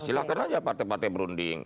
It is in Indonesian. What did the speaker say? silahkan aja partai partai berunding